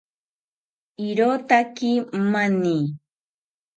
Irotaki mani